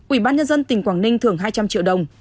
ủy ban nhân dân tỉnh quảng ninh thưởng hai trăm linh triệu đồng